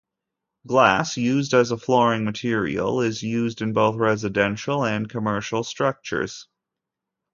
Glass as a flooring material is used in both residential and commercial structures.